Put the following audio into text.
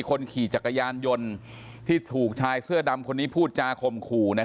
คนขี่จักรยานยนต์ที่ถูกชายเสื้อดำคนนี้พูดจาคมขู่